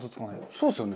そうですよね。